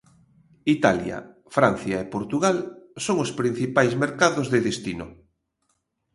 Italia, Francia e Portugal son os principais mercados de destino.